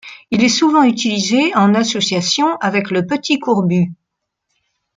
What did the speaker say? Il est souvent utilisé en association avec le Petit Courbu.